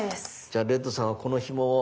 じゃあレッドさんはこのひもを。